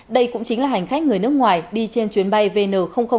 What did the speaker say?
đây cũng chính là hành khách người nước ngoài đi trên chuyến bay vn năm mươi bốn